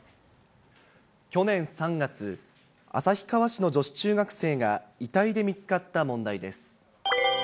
去年３月、旭川市の女子中学生が遺体で見つかった問題です。